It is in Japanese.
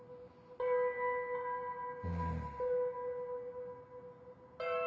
うん。